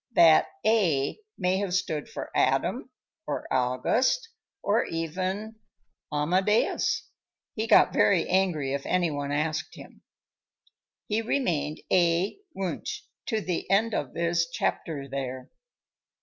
That "A" may have stood for Adam, or August, or even Amadeus; he got very angry if any one asked him. He remained A. Wunsch to the end of his chapter there.